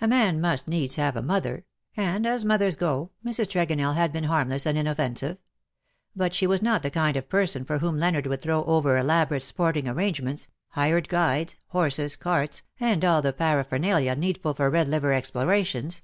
A man must 31 needs have a mother; and, as mothers go^ Mrs. Tregonell had been harmless and inoffensive; but she was not the kind of person for whom Leonard would throw over elaborate sporting arrangements, hired guides, horses, carts,, and all the paraphernalia needful for Red Eiver explorations.